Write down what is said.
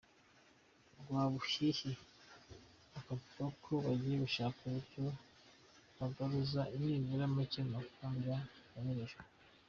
Rwabuhihi akavuga ko bagiye gushaka uburyo bagaruza nibura make mu mafaranga yanyerejwe.